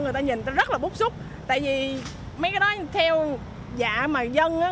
người ta nhìn nó rất là bút xúc tại vì mấy cái đó theo dạ mà dân